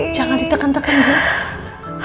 jangan ditekan tekan bu